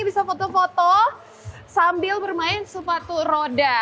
bisa foto foto sambil bermain sepatu roda